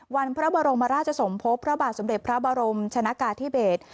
วันพระบรมราชสมภพพระบาทสมเด็จพระบรมชนะกาธิเบศ